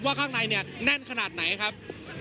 ข้างในเนี่ยแน่นขนาดไหนครับ